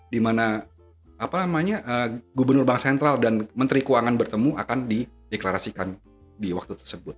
di mana gubernur bank sentral dan menteri keuangan bertemu akan dideklarasikan di waktu tersebut